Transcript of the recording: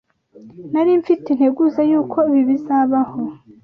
Nari mfite integuza yuko ibi bizabaho.